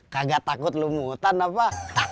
kagak takut lu mutan apa